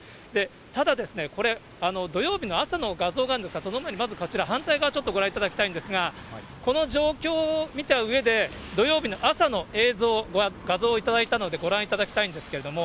ただこれ、土曜日の朝の画像があるんですが、その前にまずこちら、反対側をご覧いただきたいんですが、この状況見たうえで、土曜日の朝の映像、画像を頂いたのでご覧いただきたいんですけれども。